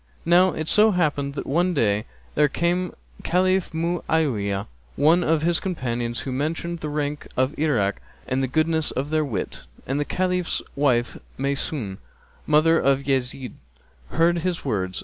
Now it so happened that one day there came to the Caliph Mu'áwiyah[FN#266] one of his companions, who mentioned the people of Irak and the goodness of their wit; and the Caliph's wife Maysún, mother of Yezíd, heard his words.